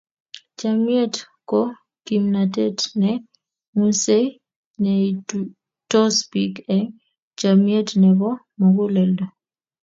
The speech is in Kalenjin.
Chomnyet ko kimnatet ne ng'usei neituitos biik eng chomnyet nebo muguleldo.